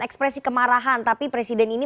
ekspresi kemarahan tapi presiden ini